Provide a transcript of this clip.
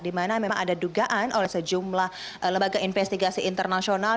di mana memang ada dugaan oleh sejumlah lembaga investigasi internasional